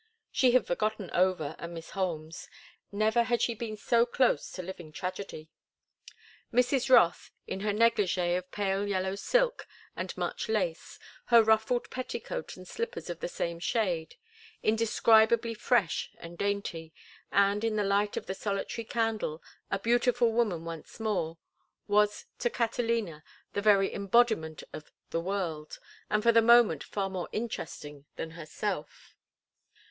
She had forgotten Over and Miss Holmes. Never had she been so close to living tragedy. Mrs. Rothe, in her negligée of pale yellow silk and much lace, her ruffled petticoat and slippers of the same shade, indescribably fresh and dainty, and, in the light of the solitary candle, a beautiful woman once more, was to Catalina the very embodiment of "the world," and for the moment far more interesting than herself.